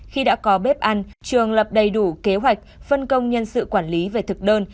khi đã có bếp ăn trường lập đầy đủ kế hoạch phân công nhân sự quản lý về thực đơn